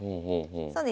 そうですね。